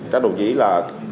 các đồng chí là